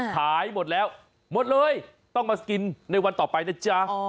ขายหมดแล้วหมดเลยต้องมากินในวันต่อไปนะจ๊ะ